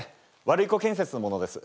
ワルイコ建設の者です。